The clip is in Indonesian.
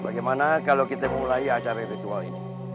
bagaimana kalau kita memulai acara ritual ini